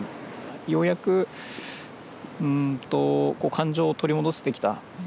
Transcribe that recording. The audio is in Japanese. ようやく感情を取り戻してきた。